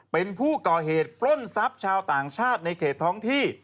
เป็นผู้ก่อเหตุปล้นทรัพย์ชาวต่างชาติในเขตท้องที่